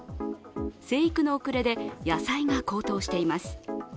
生育の遅れで野菜が高騰しています。